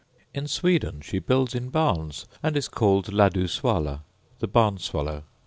In Sweden she builds in barns, and is called ladu swala, the barn swallow.